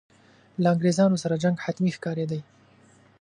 له انګرېزانو سره جنګ حتمي ښکارېدی.